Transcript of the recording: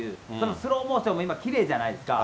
スローモーションも今、きれいじゃないですか。